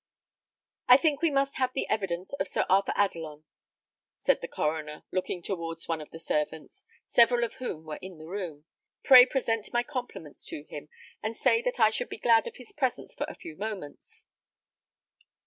"I think we must have the evidence of Sir Arthur Adelon," said the coroner, looking towards one of the servants, several of whom were in the room. "Pray present my compliments to him, and say that I should be glad of his presence for a few moments."